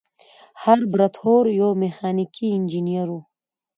هربرت هوور یو میخانیکي انجینر و.